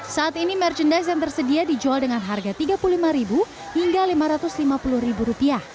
saat ini merchandise yang tersedia dijual dengan harga rp tiga puluh lima hingga rp lima ratus lima puluh